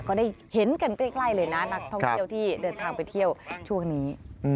ก็ได้เห็นกันใกล้เลยนะนักท่องเที่ยวที่เดินทางไปเที่ยวช่วงนี้